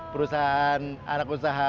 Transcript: perusahaan anak usaha